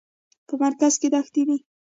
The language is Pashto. په مرکز کې دښتې دي.